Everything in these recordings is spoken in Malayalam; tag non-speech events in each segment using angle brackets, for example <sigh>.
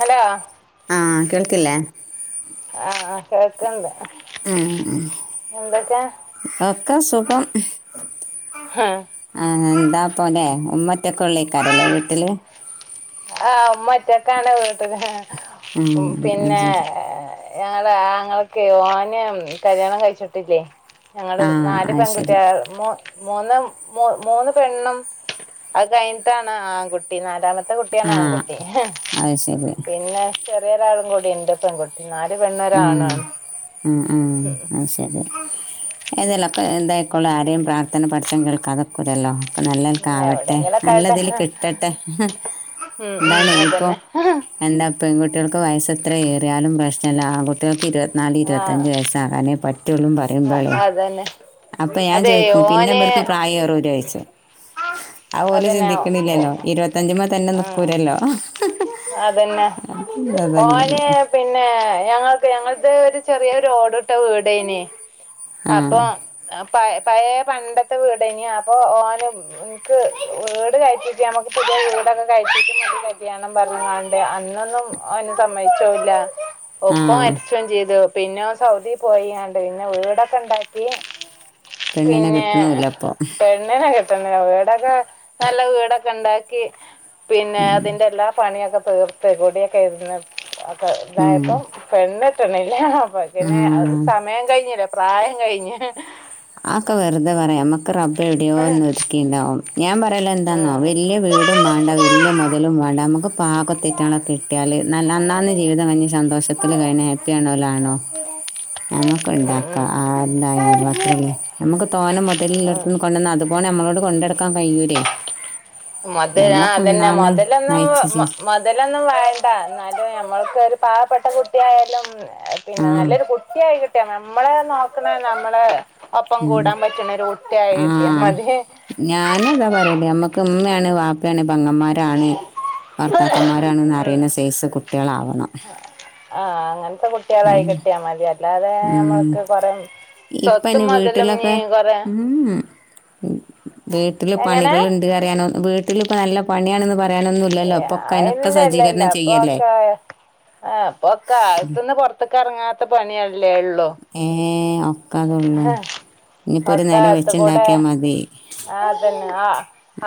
ഹലോ ആ കേൾക്കില്ലേ ആഹ് ആ <unintelligible> ഉം എന്തൊക്കെ ഒക്ക സുഖം ആ എന്താപ്പാല്ലെ ഉമ്മ <unintelligible> കരല്ലേ വീട്ടില് ആഹ് ഉമ്മറ്റൊക്കാണ് വീട്ടില് ആഹ് ഉം പിന്നാ <unintelligible> ആങ്ങളക്ക് ഓന് കല്യാണം കഴിച്ചിട്ടില്ലേ ഞങ്ങള് ആ നാല് അത് ശരി പെൺകുട്ടിയാ മ്മോ മൂന്നും മൂ മൂന്ന് പെണ്ണും അത് കഴിഞ്ഞിട്ടാണ് ആൺകുട്ടി നാലാമത്ത കുട്ടിയാണ് ആ ആൺകുട്ടി അത് ശരി ആ അത് ശരി പിന്നെ <unintelligible> വേറെരാളും കൂടി ഇണ്ട് പെൺകുട്ടി നാല് പെണ്ണ് ആ ഒരാണാണ് ആ ആ ഉം. അത് ശരി എതേലൊക്കെ എന്തായിക്കൊള്ള ആരേം പ്രാർത്ഥന പടച്ചോൻ കേൾക്കാത ഒക്കൂല്ലല്ലോ അപ്പ ഉം, നല്ലക്കാവട്ടെ എവിടെയെങ്കിലൊക്കെ ആയിട്ട് നല്ലതില് കിട്ടട്ടെ ഉം, ഉം, എന്താണ് ഇപ്പോ അതന്നെ <unintelligible> <unintelligible> വയസ്സ് എത്ര ഏറിയാലും പ്രശ് അല്ല ആൺ കുട്ടികൾക്ക് ഇരു ഇന്നാല് ആ ഇപത്തഞ്ച് വയസ്സ് ആകാനെ പ <unintelligible> പറയുമ്പോളേ അതന്നെ അപ്പ ഞാൻ അതെ ചോയിക്കും പിന്ന ഓന് ഇവർക്ക് പ്രായം <unintelligible> ആ ഓല് അതന്നെ ഓ- ചിന്തിക്കണില്ലല്ലോ ഇരുപത്തഞ്ച്മ തന്നെ ഉം. നിക്കൂലല്ലോ അതന്നെ ഓന് <unintelligible> പിന്നെ ഞങ്ങൾക്ക് ഞങ്ങൾക്ക് ഒരു ചെറിയ ഒരു ഓടിട്ട ഇട്ട വീടേനെ ആ അപ്പൊ പ പഴേ പണ്ടത്ത വീടാന് അപ്പൊ ഓന് എനിക്ക് വീട് കഴിച്ചിട്ട് നമ്മക്ക് പുതിയ വീടൊക്കെ <unintelligible> കല്യാണം പറഞ്ഞങ്ങാണ്ട് അന്നൊന്നും ഓന് സമ്മതിച്ചൂല്ല ആ ഒപ്പം വരച്ചയും ചെയ്തു പിന്നെ സൗദി പോയിണ്ട് പിന്നെ വീടൊക്കെ ഉണ്ടാക്കി പെണ്ണിനെ പിന്നെ കിട്ടണമില്ല അപ്പൊ പെണ്ണനൊക്കെ വീടൊക്കെ നല്ല വീടൊക്കെ ഉണ്ടാക്കി പിന്നെ അതിന്റെ എല്ലാ പണിയൊക്കെ ഓരോ പരിപൊടിയൊക്കെ കഴിഞ്ഞതന്ന് ഉം ഇതായപ്പം പെണ്ണ് ട്ടൊന്നുല്ലാ അപ്പാ ആ പിന്നെ അത് സമയം കഴിഞ്ഞു ല്ല പ്രായം കഴിഞ്ഞ് ആക്ക വറുതെ പറയാ ഞാമ്മക്ക് റബ്ബ് എവിയോ ഒന്ന് ഒരുതുക്കിട്ടണ്ടാവും ഞാൻ പറയല്ല എന്താണോ വെലിയ വീടും വേണ്ട വെലിയ മുതലും വേണ്ട നമുക്ക് പാക തെറ്റാണ് പെട്ടല്ല് നല്ല ഓന്നാന്ന് ജീവിതം എന്നു സന്തോഷത്തിൽ കഴിഞ്ഞൽ ഹാപ്പിയ ആണോല്ല ആണോ നമുക്ക് ഉണ്ടാക്കാം ആരുന്തായാലും അത്രെ ഉള്ളു നമുക്ക് തോന്നെ മുതലർത്ത കൊണ്ടുവന്ന് അതുപോ നമ്മോട് കൊടാണ്ട മുതൽ ആ നമ്മളൊക്കെ അതന്നെ അന്നാന്ന് മുതലൊന്നും നയിച്ചു മുതലൊന്നും വേണ്ട എന്നാലും ഞമ്മൾക്കൊരു പാവപ്പെട്ട കുട്ടിയായാലും ആ പിന്നെ നല്ലൊരു കുട്ടിയായി റ്റണം നമ്മള് നോക്കണ നമ്മള് ഒപ്പം കൂടാൻ പറ്റുന്നരു കുട്ടിയായി കിട്ടിയ മതി നാന്താ പറയല്ലേ നമ്മുക്ക് ഉമ്മയാണ് വാപ്പയാണ് പെങ്ങന്മാരാണ് ഉം. ഭർത്താക്കന്മാരാണ്ന്ന്റിയുന്ന സേസ് കുട്ടികളാവണം ട്ടികളായി കിട്ടിയ മതി അല്ലോ ഉം. നമ്മക്ക് കൊറ ഇപ്പൊ ഇനി സ്വത്തും മുതലും നീ കൊറ ഉ വീട്ടില് പണികൾണ്ട് അറിയാനോ വീട്ടില് നല്ല പണിയാണ്ന്ന് പറ ആതോന്നു ആല്ലല്ല ചെയ്യല്ലേ അപ്പൊക്കെ അപ്പൊക്കെ ആലത്തുന്ന് പുറത്തക്ക് ഇറങ്ങാ ത്തപണയാണ് അല്ലെ ഉള്ളൂ ഏ ഒക്കെ ആ അതുള്ളൂ ഹാ ഇനിയിപ്പോ ഒരു നേരം അപ്പത്തകൂടോ വെച്ചുണ്ടാക്കിയാ മതി അതന്നെ ആ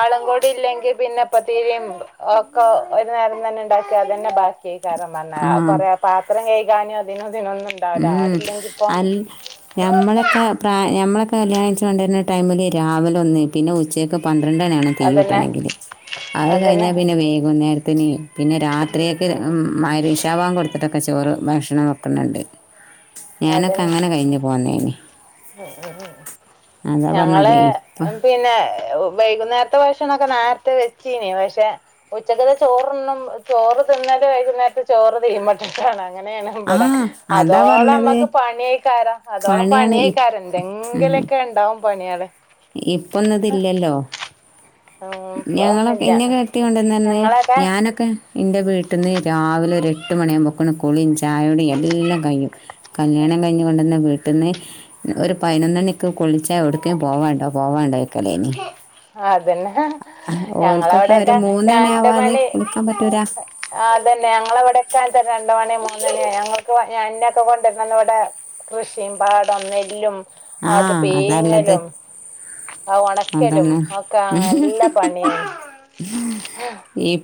അലോകൊ ഇല്ലെങ്കിൽ പിന്നെ പാതിരിമ്പ് ഒക്ക ഒരു നേരം തന്നെ ഉണ്ടാക്കി അത് തന്നെ ബാക്കിയേക്കും കൊറെ മനാ ആ കൊറെ പത്രോം കഴികി ഞാന് അദ്ദേഹം ഉം അൽ ഞമ്മളെക്കെ പ്രാ ഞമ്മളെ ക്കെ കല്യാണം കയ്ച്ച് കൊണ്ടര്ണ ടൈമ്‌ല് രാവ്‌ലൊന്ന് പിന്നെ ഉച്ചേകൊക് പന്ത്രണ്ടണ്യാണം അതന്നെ തീയൂട്ടെണെങ്കില് അത് അതന്നെ കയ്ഞ്ഞാ പിന്നെ വെയ്ക്ന്നേര ത്ത്ന് പിന്നെ രാത്രിയെക്ക് മയ്രി ഇഷാ ബാങ്കൊട്ത്ത്ട്ടൊക്കെ ചോറ് ഭഷ്ണം വെക്കുന്ന്ണ്ട് അതന്നെ പോന്നേന് അതാ പറഞ്ഞത് ഞങ്ങളെ ഇപ്പം പിന്നെ വൈകുന്നേര്ത്തെ ഭ ക്ഷണാെക്കെ നേര്ത്തെ വെച്ചീനി പക്ഷെ ഉച്ചക്ക്ത്തെ ചോറ്ന്നും ചോറ് തിന്നല് വൈകുന്നേര്ത്തെ ചോറ് തീമട്ട്ട്ടാണ് അങ്ങനേണ് ആ ബ്ടെ അതാ അതോളമ്മക്ക് പറഞ്ഞത് ക്കെ പണ്യെയ്ക്കാരം അതോളം പണിയാണ് ഇ പണ്യെയ്ക്കാരം ന്തെങ്കിലാെക്കെണ്ടാവും പണ്യേള് ഇപ്പൊന്നുത് ഇല്ല്യല്ലോ ഉം ഞങ്ങളൊക്കെ ഇപ്പൊന്നുല്ല ഇന്നൊക്കെ കെട്ടി കൊണ്ടര്ണന്ന് ഞങ്ങളൊക്കെ ഞാനൊക്കെ ഇന്റെ വീട്ട്ന്ന് രാവ്‌ലെ ഒര് എട്ട് മണ്യാവുമ്പോക്ക്ണ് കുളിം ച് ചായുടിം എല്ലം കയ്യും കല്യാണം കയ്ഞ്ഞ് കൊണ്ടര്ണ വ് പെട്ടെന്ന് ഒരു പയ്നൊന്നണി ക്ക്കുൾച്ചാ യോട്ക്കേ പോവാണ്ടാ പോവാണ്ടോയ് ആഹ് അതന്നെ ഓൾക്കൊക്കെ ഒരു ഞങ്ങളവിടൊക്കെ മൂന്നണി ആവാതെ രണ്ട്മണി കുളിക്കാൻ പറ്റൂല ആ അതന്നെ ഞങ്ങളവിടൊക്കാ അങ്ങൻതന്നെ രണ്ട്മണി ണി മൂന്നണി ആയാ ഞങ്ങക്ക് ന്നൊക്കെ കൊണ്ടന്നന്ന് വടെ കൃഷിം പാടം നെല്ലും ആ അത് അതല്ലത് പീങ്ങലും അത്‌ ഒണക്കലും അതാണ് ഒക്കെ നല്ല പണിയാ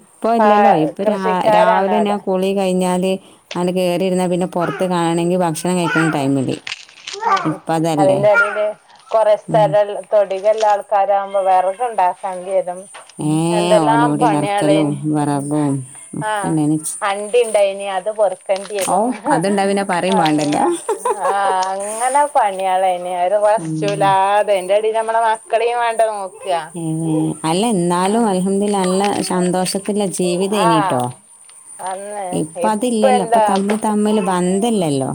ഇപ്പോ ഇല്ലല്ലോ ഇപ്പൊ രാ രാവിലെ ഞാ അവിടെ കുളി കഴിഞ്ഞാൽ തീ ആണ്ട് കേറി ഇര്ന്നാപിന്നെ പൊർത്ത് കാണെങ്കി ഭക്ഷ ക്ഷണം കഴിക്ക്ണ ടൈമില് ഇ അതിന്റെടീല് കൊറേ സ്ഥലല്ല തൊടി എല്ലാ ആൾക്കാരാകുമ്പോ വെറകുണ്ടാക്കണ്ടിരും ഏ ഓലോടി കറക്കലും വിറകും ആഹ് ഒക്കെണ്ടായ്നിച്ച് അണ്ടി ഇണ്ടായിനി അത് പൊറുക്കേണ്ടി ഔ വരും അതുണ്ടായാ പിന്നെപറിം അങ്ങ മാണ്ടല്ലോ ആഹ് അങ്ങനെ പണിയാളേയ്ന് ഒരു ഉം വശൂലാ പെയിന്റ് തി നമ്മടെ മക്കളീം വേണ്ടെ നോ ഏ അല്ല ന്നാലും അൽഹംദുലില്ലാഹ് നല്ല സന്തോഷത്തില്ല ആഹ് ജീവിതേയ്ന്ന്ട്ടോ അന്ന് ഇപ്പ ഇപ്പതില്ലല്ലോ ഇപ്പൊ എന്താ തമ്മിതമ്മില് ബന്ധല്ലല്ലോ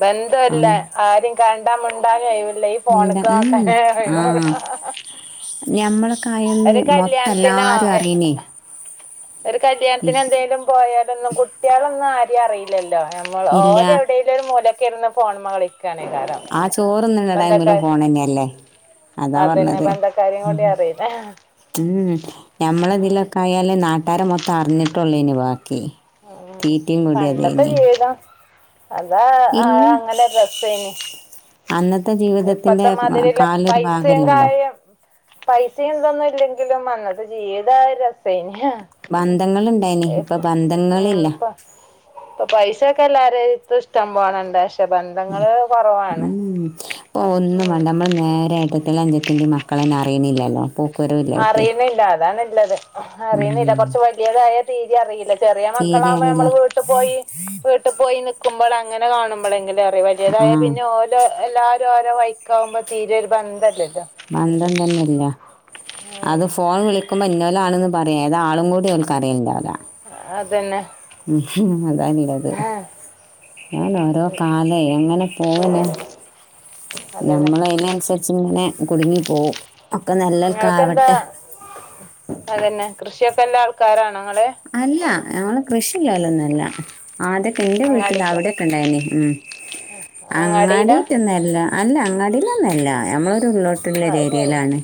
ബന്ധല്ല ആഹ് ആരേം കണ്ടാ മുണ്ടാനൊഴിവില്ല ഈ എന്താ ഫോണ്ക്ക് ഉം നോക്കലേ ഒയ് വുള്ളൂ ആഹ് ഞമ്മളൊക്കെ ആയന്ന് ഒരു മൊത്തം കല്യാണത്തിനോ എല്ലാരും അറിയണേ ഒരു കല്യാണത്തിന് എന്തെലും പോയാലൊന്നും കുട്ട്യാളൊന്നും ആ യ്യറില ല്ല നമ്മൾ ഇല്ല ഓലെവിടെ ഒരു മൂലക്കരിന്ന് ഫോൺമ്മക്കളി ആ ചോറ്ന്ന്ണ ടൈമിലും ഫോണന്നെന്നല്ലേ അതാ അതന്നെ പറഞ്ഞത് ബന്ധക്കാരെയും കൊണ്ട് അറിയുന്നേ ഉം ഞമ്മളിതിലൊക്കെ ആയാലേ നാ ട്ടാര് മൊത്തം അറിഞ്ഞിട്ടുള്ളൂ ഇനി വാ ഉം പണ്ടത്തെ ജീവിതം അതാ ആ ഇല്ല അങ്ങനെ രസേന് അന്നത്തെ ജീവിതത്തിന്റെ ഇപ്പത്തെ മാതിരില്ല കാലൊരു പൈസേം ഭാഗമല്ലല്ലോ കാര്യം പൈസേം ഇതൊന്നുല്ലെങ്കിലും അത് ജീവിതം ആ ഒരു രസേന് ബന്ധങ്ങൾ ഉം പ്പ പ്പ പൈസ സക്കെ എല്ലാരെട്ത്തും ഇഷ്ടം പോലെണ്ട് ഉം ഒന്നും ഉം വേണ്ട നമ്മള് നേരെ ഏ ട്ടന്റെ അഞ്ചത്തിന്റെ മക്കളെന്നെ അറിയുന്നില്ലല്ലോ അപ്പോ അറിയുന്നില്ല അതാണ് ള്ളത് അറിയ്ണില്ല ഉം കൊറച്ച് വല്യതായ തീരി അറില്ല ചെറിയ തീരെ മക്കളാകുമ്പോ അറിയില്ല നമ്മള് വീട്ട് പോയി വീട്ടിൽ പോയി ക്ക്മ്പൊള് അങ്ങനെ കാണുമ്പളെങ്കി അ ആ വല്യതായ പിന്നെ ഓലെ എല്ലാരും ഓരോ വഴിക്കാവുമ്പോ തീരെ ഒരു ബന്ധല്ല ബന്ധതെന്നെല്ല ഉം. അത് ഫോൺ വിളിക്കുമ്പോ ഇന്നോലാണ് ന്ന് പറയ അതാ ആളും കൂടി ഓല്ക്ക് അറിയലിണ്ടാവൂല അതെന്നെ അതാള്ളത് അതെന്നെ ഒരോ കാലം അങ്ങനെ പോവന്നെ അതന്നെ ഞമ്മള് അതിനനുസരിച്ച് ങ്ങനെ കുടുങ്ങിപ്പോവും നിങ്ങൾക്കെന്താ അതന്നെ കൃഷിയൊക്കെ എല്ലാ ആൾ <unintelligible> അല്ല ഞങ്ങള് കൃഷ് <unintelligible> ആദ്യോക്കെ എന്റെ വീട്ടില് അങ്ങാടിക്ക് അവിടെക്കെ ഇണ്ടായിനി ഉം അങ്ങാടിയിലാ അങ്ങാടിട്ടന്നല്ല അല്ല അങ്ങാടി <unintelligible> നമ്മള് <unintelligible> ഉള്ളോട്ടുള്ള ആ ഒരു ശരി ഏരിയേലാണ്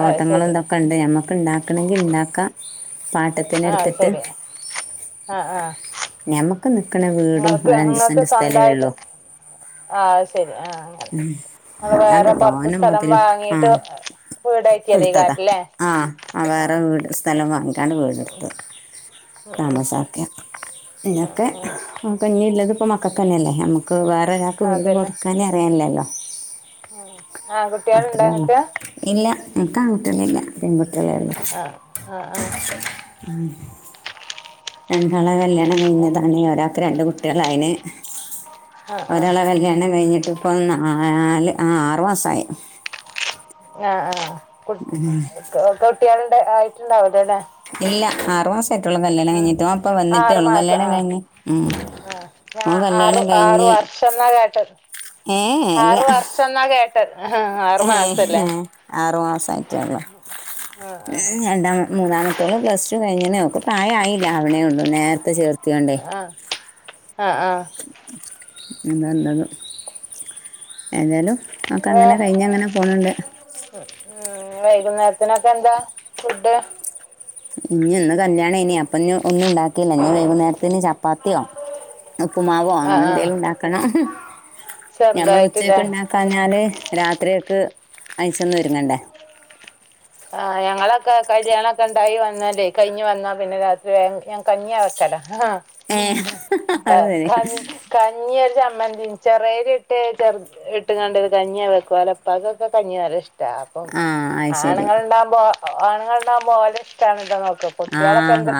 ആ ശരി ഇതൊക്കെ ഉണ്ട് നമ്മക്ക് ഇണ്ടാക്കണങ്കിൽ ഇണ്ടാക്കാം. <unintelligible> <unintelligible> ആ എടുത്തിട്ട് ശരി ആ ആ ഞമ്മക്ക് നിക്കണ വീടും നിങ്ങൾക്ക് ഒര് അഞ്ചു നിങ്ങൾക്ക് സെന്റ് സ്ഥലേള്ളു. സ്വന്തമായിട്ട് ആഹ് അത് ശരി ആഹ് അങ്ങനെ ങ്ങള് അല്ലാണ്ട് വേറെ പൊറത്ത് തോന സ്ഥലം മുതലും ആ വാങ്ങീട്ട് എടുത്തതാ വീടാക്കിയതേക്കാരല്ലേ ആ വേറെ ആഹ് വീട് സ്ഥലം വാങ്ങി <unintelligible> വീട്. ഉം ഉം താമസാക്കുക. ആഹ് ഇങ്ങക്ക് ആഹ് <unintelligible> മക്കകന്നല്ലെ നമ്മക്ക് <unintelligible> വേറൊരാൾക്ക് വീട് കൊടുക്കാനേ അറിയണില്ലല്ലോ ആ കുട്ടികൾണ്ടോ ങ്ങക്ക് ഇൻക്ക് ആൺകുട്ടിയാള് ഇല്ല പെൺകു അ ആ ആ ഉം രണ്ടാളെ കല്യ കഴിഞ്ഞതാണി ഒരാ രണ്ട് കുട്ടികളാ യിന് ആഹ് ആഹ് ഒരാളെ കല്യാണം കഴിഞ്ഞിട്ട് ഇപ്പോ നാല് ആ ആറു മാസായി ആ ആ കുട്ട് കു കു കുട്ടിയള് ആയിട്ടുണ്ടാവില്ലലെ? ല്ല ആറുമാസം ആറു മാസം കല്യാണം ആ കഴിഞ്ഞ് ഉം. ആ ഞ ഓൻ കല്യാണം ആറ് കഴിഞ്ഞ് വർഷം ന്നാ കേട്ടത് ആറ് വർഷം ന്നാ കേ ഏ ഹെ ആറു മാസമായിട്ടെള്ളൂ ആഹ് ആഹ് രണ്ടാമ മൂന്നാമത്തോള് പ്ലസ്ടു എങ്ങനെക്കു ൾകു പ്രായായില്ല അ അവണെള്ളൂ നേരത്തെ ചേർ ആ അ ആ <unintelligible> ഏതായാലും ഒക്കെ അങ്ങനെ വേ കഴിഞ്ഞ അങ്ങനെ പോന്ണ്ട് ഉം വൈകുന്നേരത്തിനൊക്കെ എന്താ ഫുഡ് ഇനി ഇന്ന് കല്യാണ ഇനി അപ്പൊ ഒന്നും ഉണ്ടാക്കയില്ല ഞ്ഞ് വൈകുന്നേരത്തിന് ച പാത്തിയൊ ഉപ്പുമാവോ ആ ആ അങ്ങനെന്തെലും ഉണ്ടാക്കണം. ഞമ്മൾ ചെറുതായിട്ട്ല്ലേ ഉച്ചയക്കെ ണ്ടാക്കാഞ്ഞാല് രാത്രിയൊക്ക് അയച്ചൊന്ന് ഒരുങ്ങണ്ടേ ക കല്യാണംക്കെ ഉണ്ടായി വന്നാലെ കഴിഞ്ഞ് വന്നാൽ പിന്നെ രാത്രി ഞാൻ കഞ്ഞിയാ വെക്കല ആ ഏ ക അത് ശരി ക കഞ്ഞി ചമ്മ ഉം ചെറരി ഇട്ട് ചെറ് ഇട്ട്കാണ്ട് കഞ്ഞി വെക്കും അലപ്പാക്കൊക്കെ കഞ്ഞി നല്ല ഇഷ് ആ അയ് ശരി ബോ ആണുൾണ്ടാവുമ്പോ ഓലെ ഇഷ്ടാണല്ലോ നോ ആ ആ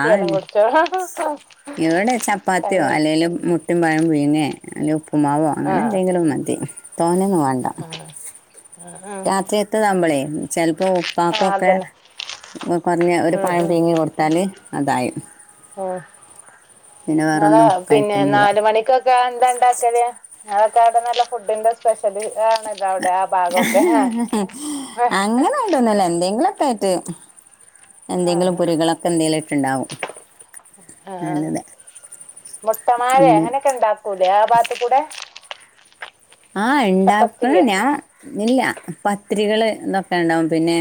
ഇവിടെ ചപ്പാത്തിയോ കഞ്ഞി അല്ലെലും മുട്ടും പഴവും പിഴ്ങ്ങേ അലപ് <unintelligible> പ്മാവോ ആ അങ്ങനെ എന്തെങ്കിലും മതി തോനന്നും വേണ്ട ആ രാത്രി എത്ത്താപളേ ചിലപ്പോ ആ ഉപ്പാക്കൊക്കെ അതന്നെ കുറഞ്ഞ ഒരു ഉം പഴം ഉം പീങ്ങി കൊടുത്താല് അതായി ആ ങ്ങള് വേറൊന്നും പിന്നെ കഴിക്കൊന്നുമില്ല നാല് മണിക്കൊക്കെ എന്താ ഉണ്ടാക്കല് ആവിട്ടന്നല്ല ഫുഡിന്റെ സ്പെഷ്യല് ആണല്ലോ അവിടെ ആ ഭാഗമൊക്കെ ആ അങ്ങനൊയിട്ടൊന്നുംല്ല എന്തെങ്കിലും യിട്ട് ആ ആ ഇട്ടുണ്ടാവും ആ നല്ലത് മുട്ടമാല പിന്നെ അങ്ങനെയൊക്കെ ഉണ്ടാക്കൂലേ ആ പാത്തി കൂടെ ആ ഉണ്ടാക്ക് മുട്ടപ്പത്തിരിയോ ഞാൻ ഇല്ല പത്തിരികള് ഇതൊക്കെ ഉണ്ടാവും പിന്നെ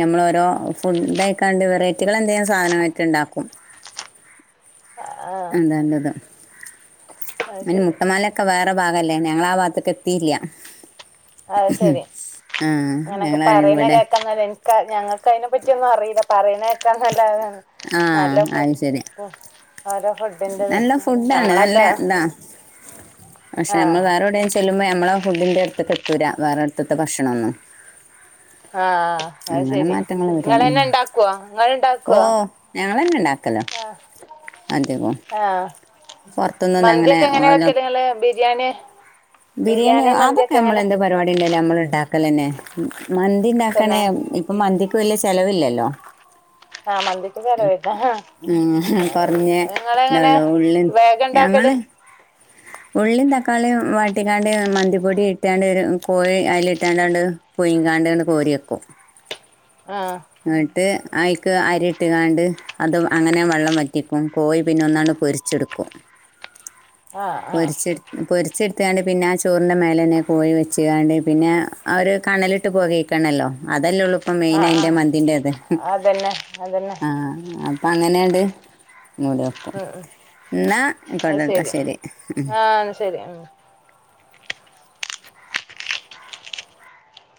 നമ്മൾ ഓരോ ഫു ഇതായിക്കാണ്ട് വെറൈറ്റികൾ എന്തെ സാധനമായിട്ട് ഉണ്ടാക്കും ആ എന്താല്ലത അത് അനി ശരി മുട്ടമാലൊക്കെ വേറെ ഭാ ല്ലെ ഞങ്ങളാ ബാത്ത് എത്തിയില്ല അ ശെരി ആ അങ്ങനെയൊക്കെ ഞങ്ങൾ പറയുന്ന ഇവിടെ കേക്കങ്ങനെ ക ഞങ്ങൾക്ക് അതിനെ പറ്റിയൊന്നും അറിയില്ല പറയുന്ന നല്ലതാണ്. ആ നല്ല ഫു അത് ശരി നല്ല ഫു ആരാ ഫ്ര നല്ല ഫുഡാണ് നല്ല എന്താ പക്ഷെ ആ നമ്മൾ വേറെ എവിടെലും ചെല്ലുമ്പോ നമ്മളെ ഫുഡിന്റെ അടുത്തക്ക് എത്തൂരാ വേറെ അടുത്തത്തെ ഭക്ഷണൊന്നും. ആ അത് ശരി വരും നിങ്ങള് ഉം. തന്നെ ഇണ്ടാക്കുവോ? നിങ്ങള് ഓ ഇണ്ടാക്കുവോ? ഞങ്ങൾ തന്നെ ഉണ്ടാക്കല്ലോ അധികവും ആ പുറത്തൊന്നും അങ്ങനെ മന്തിയൊക്കെ എങ്ങനെയാ ഓല വെക്കല് നിങ്ങള് ബിരിയാണി ബിരിയാണി അതൊക്കെ മന്തിയൊക്കെ നമ്മൾ എങ്ങനെ എന്ത് പരിപാടി ഉണ്ടായാലും നമ്മൾ ഉണ്ടാ കല് തന്നെ. മന്തി തന്നെ ഉണ്ടാക്കണേ ഇപ്പം മന്തി വല്യ ചെലവില്ലല്ലോ. ആ മന്തിക്ക് ചിലവാട്ടോ ഉം, ആ കുറഞ്ഞ നിങ്ങള് എങ്ങനെ ഇതുള്ളൂ ഉള്ളി വേഗ ഇണ്ടാക്കല് ഞങ്ങള് ഉള്ളിയും തക്കാളിയും വാട്ടിക്കാണ്ട് മന്തിപ്പൊടി ഇട്ടാണ്ട് കോഴി അതിലി ട്ടാണ്ടോണ്ട് പുയിങ്ങികാണ്ട്അങ്ങ് കോരിവെക്കും. ആഹ് എന്നിട്ട് അയിക്ക് അരിയിട്ടുകാണ്ട് അത് അങ്ങനെ വെള്ളം വറ്റിക്കും. കോഴി പിന്നെ ഒന്നങ്ങോണ്ട്പൊരിച്ചെടുക്കും. ആഹ് ആഹ് പൊരിച്ചടു പൊരിച്ചെടു എത്താണ്ട് പിന്നെ ആ ചോറിൻ്റെ മേല തന്നെ കോഴി വെച്ചാണ്ട് പിന്നെ അവർ കണലിട്ട് പെകയ്കണമല്ലോ അതല്ലേള്ളൂ മെൻ ആഹ് അത് ആഹ് മന്തിന്റെത്. അതന്നെ അതന്നെ ആ അപ്പഅങ്ങനെയാണ്ട് മൂടി വെക്കും. ഉം എന്നാ കൊണ്ടോട്ടേ ശരി. ആ ശരി ഉം.